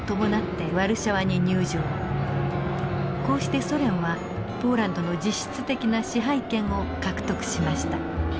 こうしてソ連はポーランドの実質的な支配権を獲得しました。